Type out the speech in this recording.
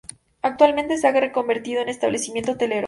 Actualmente se ha reconvertido en establecimiento hotelero.